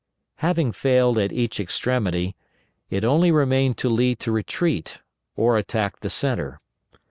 '" Having failed at each extremity, it only remained to Lee to retreat, or attack the centre.